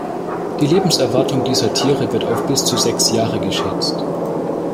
Die Lebenserwartung dieser Tiere wird auf bis zu sechs Jahre geschätzt.